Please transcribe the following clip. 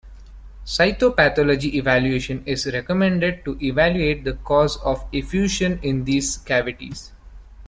Cytopathology evaluation is recommended to evaluate the causes of effusions in these cavities.